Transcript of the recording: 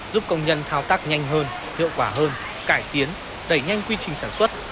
giúp công nhân thao tác nhanh hơn hiệu quả hơn cải tiến đẩy nhanh quy trình sản xuất